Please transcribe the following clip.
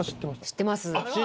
知ってます？